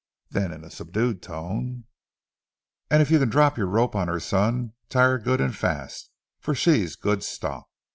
Then in a subdued tone: "And if you can drop your rope on her, son, tie her good and fast, for she's good stock."